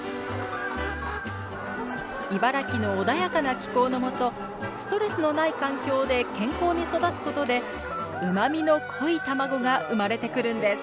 茨城の穏やかな気候の下ストレスのない環境で健康に育つことでうまみの濃い卵が生まれてくるんです